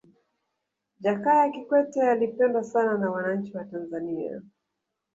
jakaya kikwete alipendwa sana na wananchi wa tanzania